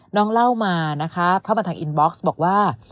เล่ามานะคะเข้ามาทางอินบ็อกซ์บอกว่า